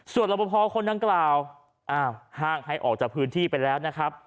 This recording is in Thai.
ส่วนรมพคนนั้นกล่าวห้างให้ออกจากพื้นที่ไปแล้วนะครับ